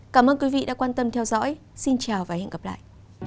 cảm ơn quý vị đã quan tâm theo dõi xin chào và hẹn gặp lại